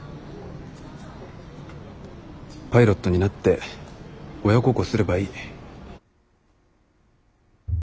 パイロットになって親孝行すればいい。